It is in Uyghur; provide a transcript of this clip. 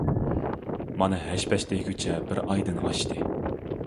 مانا ھەش-پەش دېگۈچە بىر ئايدىن ئاشتى.